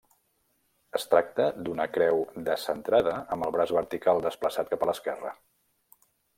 Es tracta d'una creu descentrada, amb el braç vertical desplaçat cap a l'esquerra.